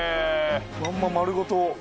まんま丸ごと。